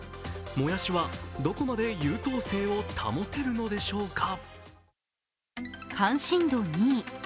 もやしは、どこまで優等生を保てるのでしょうか？